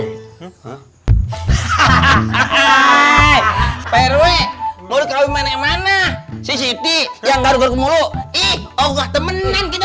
hahahaha perut boleh kau mana mana siti yang garu garu mulu ih oh temenan kita